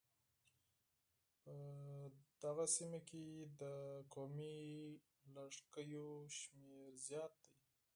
په دغې سيمې کې د قومي لږکيو شمېر زيات دی.